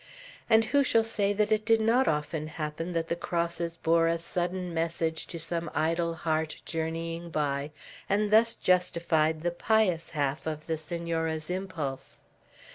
And who shall say that it did not often happen that the crosses bore a sudden message to some idle heart journeying by, and thus justified the pious half of the Senora's impulse?